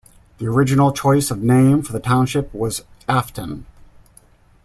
The original choice of name for the township was Afton.